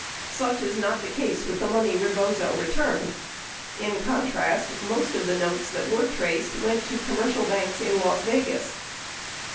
Such is not the case with the money Rebozo returned. In contrast, most of the notes that were traced went to commercial banks in Las Vegas.